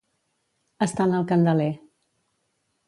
Estar en el candeler.